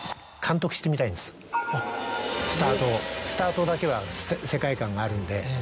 スタートスタートだけは世界観があるんで。